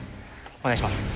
お願いします。